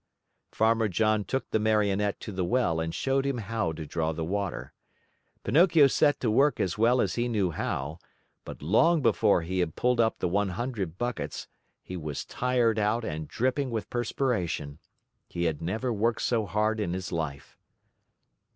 Farmer John took the Marionette to the well and showed him how to draw the water. Pinocchio set to work as well as he knew how, but long before he had pulled up the one hundred buckets, he was tired out and dripping with perspiration. He had never worked so hard in his life.